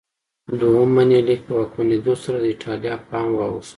دویم منیلیک په واکمنېدو سره د ایټالیا پام واوښت.